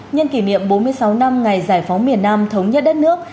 nhân kỷ niệm bốn mươi sáu năm ngày giải phóng miền nam thống nhất đất nước